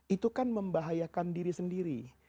itu kan membahayakan diri sendiri